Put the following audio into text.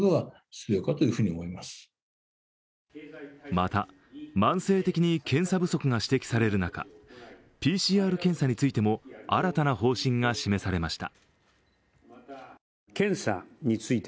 また、慢性的に検査不足が指摘される中ＰＣＲ検査についても新たな方針が示されました。